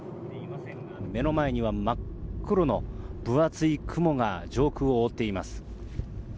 目の前には真っ黒の分厚い雲が上空を覆っています。